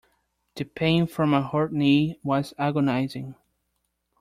The pain from my hurt knee was agonizing.